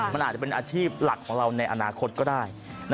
มันอาจจะเป็นอาชีพหลักของเราในอนาคตก็ได้